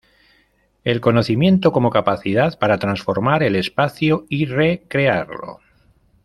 El conocimiento como capacidad para transformar el espacio y re-crearlo.